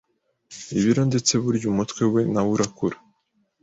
ibiro ndetse burya umutwe we nawo urakura